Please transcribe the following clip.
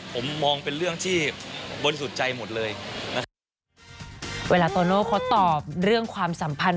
ผมมองเป็นเรื่องที่บริสุทธิ์ใจหมดเลยนะครับเวลาโตโน่เขาตอบเรื่องความสัมพันธ์